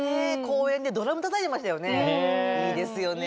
公園でドラムたたいてましたよね。